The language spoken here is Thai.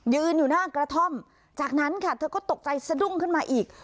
ยืนอยู่หน้ากระท่อมจากนั้นค่ะเธอก็ตกใจสะดุ้งขึ้นมาอีก